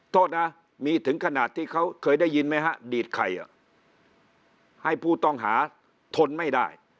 โทษนะมีถึงขนาดที่เขาเคยได้ยินไหมฮะดีดใครอ่ะให้ผู้ต้องหาทนไม่ได้